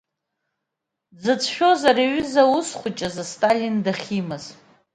Дзыцәшәоз ари аҩыза аус хәыҷы азы Сталин дахьимаз.